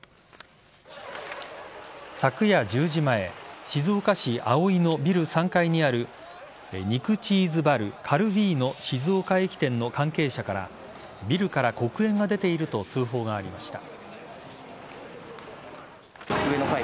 昨夜１０時前静岡市葵区のビル３階にある肉チーズバルカルヴィーノ静岡駅店の関係者からビルから黒煙が出ていると通報がありました。